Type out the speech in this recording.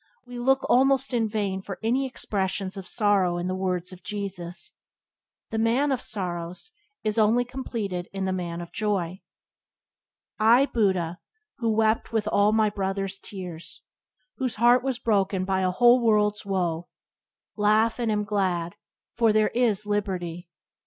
We look almost in vain for any expressions of sorrow in the words of Jesus. The "Man of Sorrows" is only completed in the Man of Joy. "I, Buddha, who wept with all my brother's tears, Whose heart was broken by a whole world's woe, Laugh and am glad, for there is Liberty!"